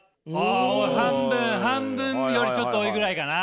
あ半分半分よりちょっと多いぐらいかな？